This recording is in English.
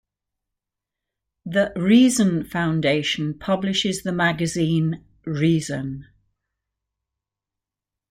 The Reason Foundation publishes the magazine "Reason".